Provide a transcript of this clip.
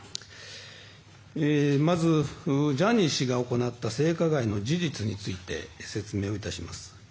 まず、ジャニー氏が行った性加害の事実について説明をいたします。